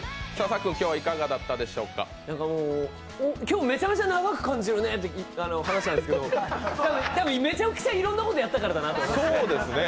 今日、めちゃめちゃ長く感じるねって話なんだけどめちゃくちゃいろんなことやったからだなと思いました。